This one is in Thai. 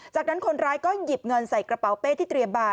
จากนั้นคนร้ายก็หยิบเงินใส่กระเป๋าเป้ที่เตรียมมา